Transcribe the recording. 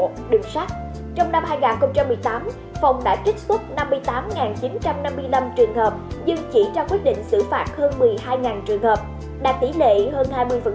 trong năm hai nghìn một mươi tám phòng đã trích xuất năm mươi tám chín trăm năm mươi năm trường hợp nhưng chỉ ra quyết định xử phạt hơn một mươi hai trường hợp đạt tỷ lệ hơn hai mươi